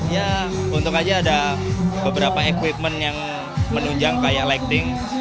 ya untung aja ada beberapa equipment yang menunjang kayak lighting